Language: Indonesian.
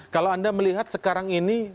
kalau anda melihat sekarang ini